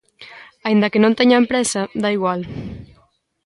Aínda que non teñan presa, dá igual.